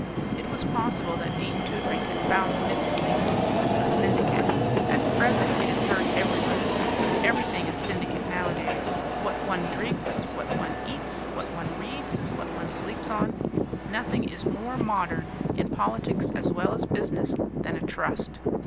It was possible that Dean Toodrink had found the missing link. A syndicate at present it is heard everywhere. Everything is syndicate nowadays, what one drinks, what one eats, what one reads, what one sleeps on. Nothing is more modern, in politics as well as business, than a trust.